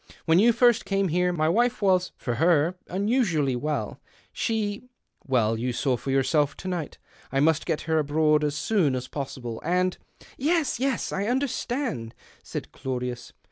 When you first came here, my wife was — for her — un usually well. She — well you saw for yourself to night. I must get her abroad as soon as possible. And "" Yes, yes, I understand," said Claudius.